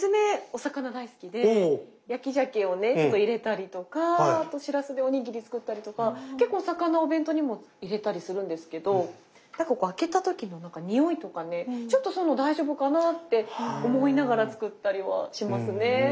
お魚大好きで焼きジャケをねちょっと入れたりとかあとシラスでおにぎり作ったりとか結構お魚お弁当にも入れたりするんですけどなんかこう開けた時のにおいとかねちょっとその大丈夫かなあって思いながら作ったりはしますね。